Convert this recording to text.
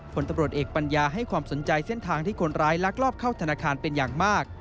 ผลตำรวจเอกปัญญาให้ความสนใจเส้นทางที่คนร้ายลักลอบเข้าธนาคารเป็นอย่างมาก